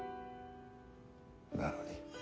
なのに。